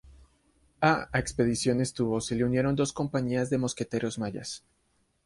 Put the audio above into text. A a expedición estuvo se le unieron dos compañías de mosqueteros mayas.